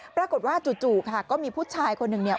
ปรากฏว่าจู่ค่ะก็มีผู้ชายคนหนึ่งเนี่ย